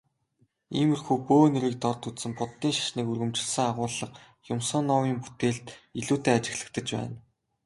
Иймэрхүү бөө нэрийг дорд үзэн Буддын шашныг өргөмжилсөн агуулга Юмсуновын бүтээлд илүүтэй ажиглагдаж байна.